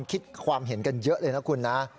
คิดความเห็นกันเยอะเลยนะคุณนะ